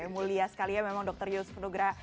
mulia sekali ya memang dokter yusuf nugra